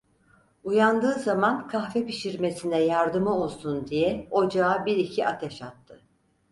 Uyandığı zaman kahve pişirmesine yardımı olsun diye ocağa biriki ateş attı.